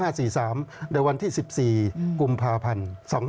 เดี๋ยววันที่๑๔กุมภาพันธ์๒๕๔๓